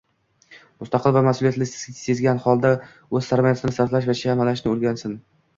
• Mustaqil va mas’uliyatni sezgan holda o‘z sarmoyasini sarflash va chamalashni o‘rgansin;